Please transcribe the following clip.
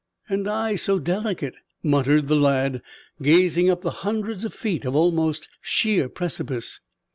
"And I so delicate!" muttered the lad, gazing up the hundreds of feet of almost sheer precipice.